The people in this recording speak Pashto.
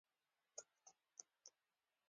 او امنیتي ادارو یو لوړ رتبه پلاوی کابل ته رسېدلی